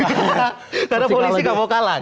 karena polisi gak mau kalah